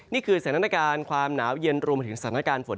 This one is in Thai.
นี่คือสถานการณ์ความหนาวเย็นรวมไปถึงสถานการณ์ฝน